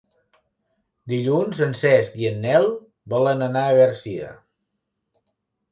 Dilluns en Cesc i en Nel volen anar a Garcia.